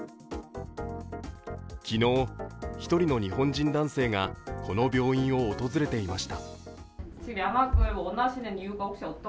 昨日、１人の日本人男性がこの病院を訪れていました。